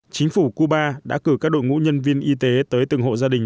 chính phủ cuba đã cử các đội ngũ nhân viên y tế tới từng hộ gia đình